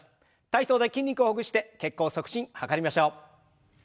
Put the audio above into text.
体操で筋肉をほぐして血行促進図りましょう。